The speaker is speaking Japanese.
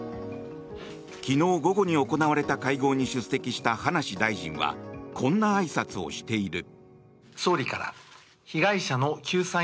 昨日午後に行われた会合に出席した葉梨大臣はこんなあいさつをしている。